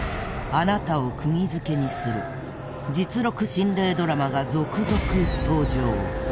［あなたを釘付けにする実録心霊ドラマが続々登場］